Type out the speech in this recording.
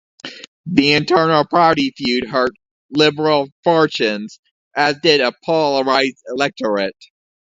The internal party feud hurt Liberal fortunes, as did a polarized electorate.